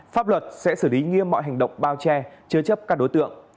pháp luật sẽ xử lý nghiêm mọi hành động bao che chứa chấp các đối tượng